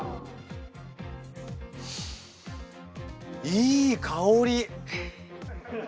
いい香り。